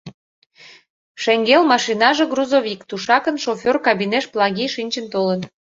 Шеҥгел машинаже грузовик, тушакын шофер кабинеш Палаги шинчын толын.